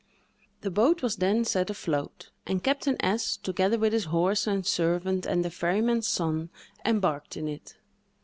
The boat was then set afloat, and Captain S——, together with his horse and servant, and the ferryman's son, embarked in it.